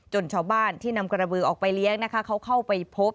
ชาวบ้านที่นำกระบือออกไปเลี้ยงนะคะเขาเข้าไปพบ